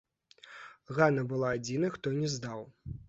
Ганна была адзінай, хто не здаў.